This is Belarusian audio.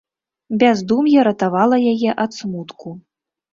Бяздум'е ратавала яе ад смутку.